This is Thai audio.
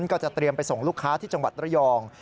ก็จะเตรียมไปส่งลูกค้าที่จังหวัดระยอง